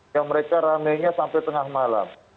ya mereka rame nya sampai tengah malam